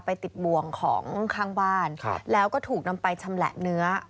ไปติดบวงของข้างบ้านแล้วก็ถูกนำไปชำแหละเนื้อ